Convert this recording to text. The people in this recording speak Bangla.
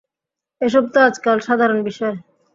এসব তো আজকাল সাধারণ বিষয়।